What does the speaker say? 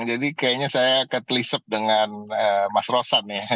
jadi kayaknya saya ketelisep dengan mas rosan ya